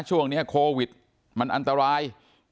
ช่วงนี้โควิดมันอันตราย